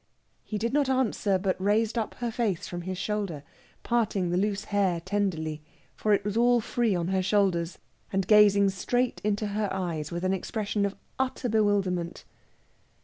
He did not answer, but raised up her face from his shoulder, parting the loose hair tenderly for it was all free on her shoulders and gazing straight into her eyes with an expression of utter bewilderment.